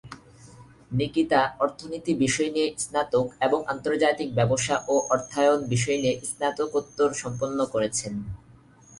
নিকিতা অর্থনীতি বিষয় নিয়ে স্নাতক এবং আন্তর্জাতিক ব্যবসা ও অর্থায়ন বিষয় নিয়ে স্নাতকোত্তর সম্পন্ন করেছেন।